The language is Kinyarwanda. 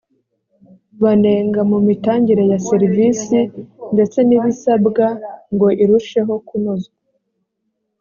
banenga mu mitangire ya serivisi ndetse n ibisabwa ngo irusheho kunozwa